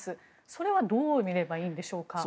それはどう見ればいいんでしょうか。